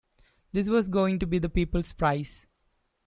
This was going to be the people's prize.